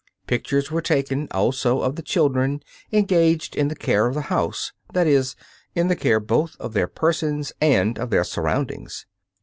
Pictures were taken also of the children engaged in the care of the house, that is, in the care both of their persons and of their surroundings.